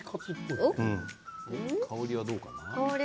香りはどうかな？